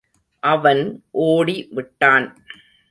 அவன் ஓடி விட்டான்.